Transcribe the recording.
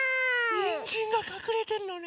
にんじんがかくれてるのね。